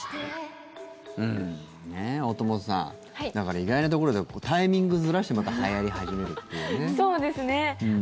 大友さんだから意外なところでタイミングずらしてまたはやり始めるっていうね。